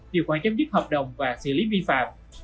điều khoản chấm dứt hợp đồng và xử lý vi phạm